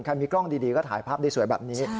มีกล้องดีก็ถ่ายภาพได้สวยแบบนี้